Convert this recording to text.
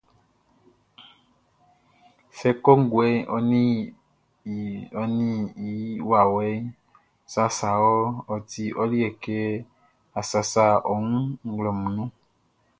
Sɛ kɔnguɛʼn ɔ ninʼn i wawɛʼn sasa wɔʼn, ɔ ti ɔ liɛ kɛ a sasa ɔ wun nglɛmun nunʼn.